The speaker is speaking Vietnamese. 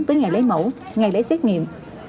tới ngày lấy mẫu ngày lấy xét nghiệm